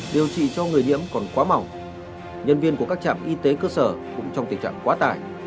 điều trị cho người nhiễm còn quá mỏng nhân viên của các trạm y tế cơ sở cũng trong tình trạng quá tải